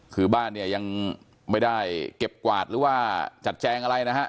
คือบ้านเนี่ยยังไม่ได้เก็บกวาดหรือว่าจัดแจงอะไรนะฮะ